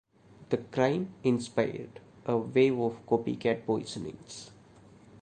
The crime inspired a wave of copycat poisonings.